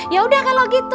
yaudah kalau gitu